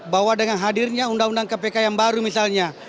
bahwa dengan hadirnya undang undang kpk yang baru misalnya